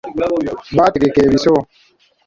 Bategeka ebiso.